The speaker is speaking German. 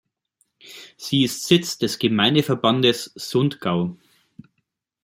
Sie ist Sitz des Gemeindeverbandes Sundgau.